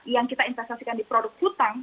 yang kita investasikan di produk utang